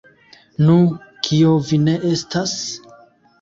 Nu, kio vi ne estas?